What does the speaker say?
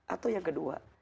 atau yang kedua